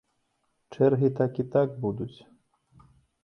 Чэргі так і так будуць.